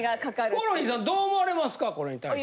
ヒコロヒーさんどう思われますかこれに対して。